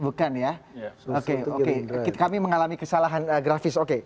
bukan ya oke oke kami mengalami kesalahan grafis oke